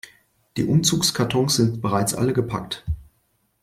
Die Umzugskartons sind bereits alle gepackt.